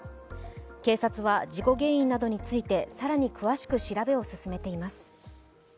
警察は事故原因などについて更に詳しく調べています。